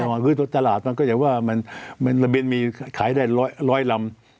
แน่นอนคือตลาดมันก็อยากว่ามันระเบียนมีขายได้๑๐๐ลำ